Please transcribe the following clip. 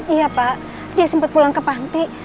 iya pak dia sempat pulang ke panti